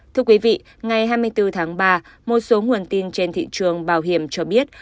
thưa quý vị ngày hai mươi bốn tháng ba một số nguồn tin trên thị trường bảo hiểm cho biết